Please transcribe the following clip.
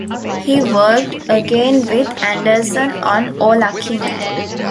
He worked again with Anderson on O Lucky Man!